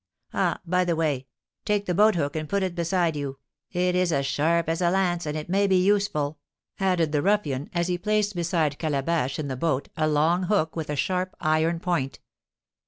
Ah, by the way, take the boat hook and put it beside you, it is as sharp as a lance, and it may be useful," added the ruffian, as he placed beside Calabash in the boat a long hook with a sharp iron point.